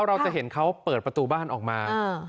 เราจะเห็นเขาเปิดประตูบ้านออกมา